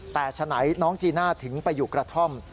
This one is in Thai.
แต่ฉะไหนน้องจีน่าถึงไปอยู่กระท่อม